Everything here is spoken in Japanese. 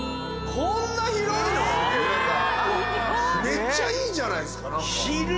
こんな広いの⁉めっちゃいいじゃないですか。